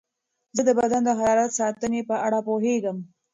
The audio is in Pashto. زه د بدن د حرارت ساتنې په اړه پوهېږم.